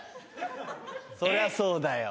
そりゃそうだよ